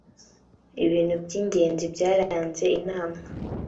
ibintu by’ingenzi byaranze inama